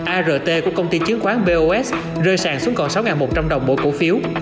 art của công ty chứng khoán bos rơi sàng xuống còn sáu một trăm linh đồng mỗi cổ phiếu